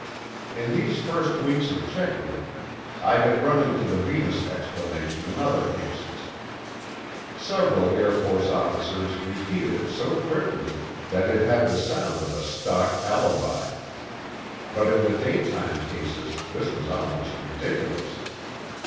In these first weeks of checking, I had run onto the Venus explanation in other cases. Several Air Force officers repeated it so quickly that it had the sound of a stock alibi. But in the daytime cases this was almost ridiculous.